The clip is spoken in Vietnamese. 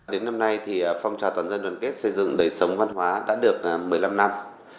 đến năm nay thì phong trào toàn dân đoàn kết xây dựng đời sống văn hóa đã được một mươi năm năm